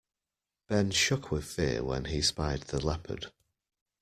Ben shook with fear when he spied the leopard.